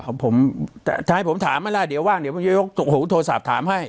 ถ้าให้ผมถามละเดี๋ยวว่างเดี๋ยวผมยกหูโทรศัพท์ถามให้